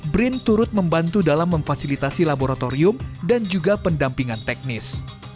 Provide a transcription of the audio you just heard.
brin turut membantu dalam memfasilitasi laboratorium dan juga pendampingan teknis